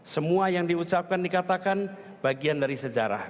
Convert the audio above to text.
semua yang diucapkan dikatakan bagian dari sejarah